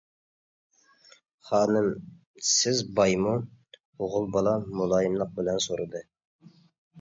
«خانىم، سىز بايمۇ؟ » ئوغۇل بالا مۇلايىملىق بىلەن سورىدى.